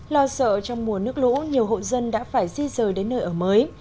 lo sợ trong mùa nước lũ nhiều hộ dân đã phải di rời đến nơi ở mới